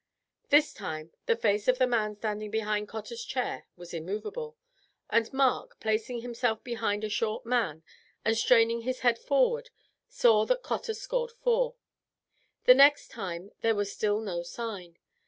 This time the face of the man standing behind Cotter's chair was immovable, and Mark, placing himself behind a short man and straining his head forward, saw that Cotter scored four. The next time there was still no sign.